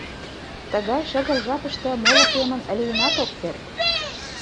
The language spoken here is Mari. Тыгай шыгыр жапыште моло семын лийынат ок керт.